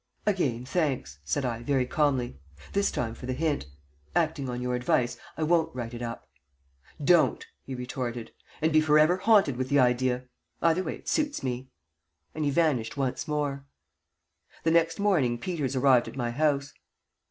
"Again, thanks," said I, very calmly. "This time for the hint. Acting on your advice, I won't write it up." "Don't," he retorted. "And be forever haunted with the idea. Either way, it suits me." And he vanished once more. The next morning Peters arrived at my house.